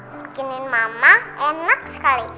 bikinin mama enak sekali